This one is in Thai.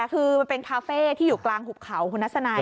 คือมันเป็นคาเฟ่ที่อยู่กลางหุบเขาคุณทัศนัย